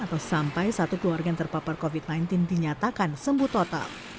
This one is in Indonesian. atau sampai satu keluarga yang terpapar covid sembilan belas dinyatakan sembuh total